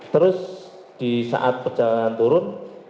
terus disaat perjalanan turun